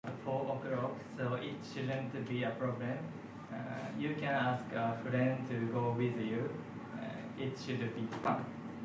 It is shown as a strongly stylized flying horse with wings.